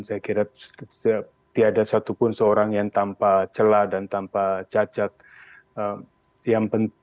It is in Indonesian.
saya kira tiada satupun seorang yang tanpa celah dan tanpa cacat yang penting